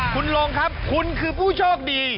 คุณรงคุณคือผู้โชคดี